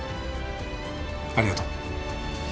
ありがとう。